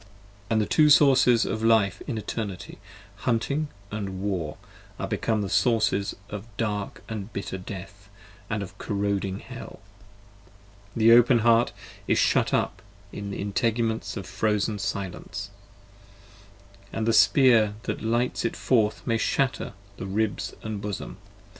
And the two Sources of Life in Eternity, Hunting and War, Are become the Sources of dark & bitter Death & of corroding Hell: The open heart is shut up in integuments of frozen silence That the spear that lights it forth may shatter the ribs & bosom.